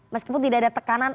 meskipun tidak ada tekanan